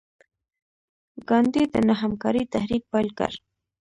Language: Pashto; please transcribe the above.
ګاندي د نه همکارۍ تحریک پیل کړ.